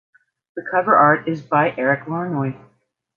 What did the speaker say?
The cover art is by Eric Larnoy.